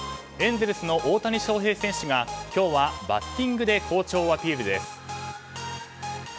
エンゼルスの大谷翔平選手が今日はバッティングで好調をアピールです。